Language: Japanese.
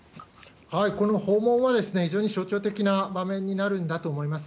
この訪問は非常に象徴的な場面になるんだと思います。